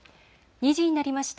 ２時になりました。